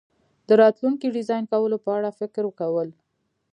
د راتلونکي ډیزاین کولو په اړه فکر کول